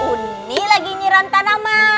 uni lagi nyiram tanaman